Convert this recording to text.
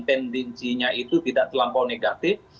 tendensinya itu tidak terlampau negatif